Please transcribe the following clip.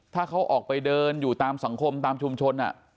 ถ้าเขาออกไปเดินอยู่ตามสังคมตามชุมชน